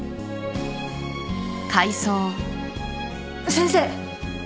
先生！